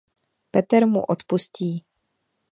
Peter mu odpustí.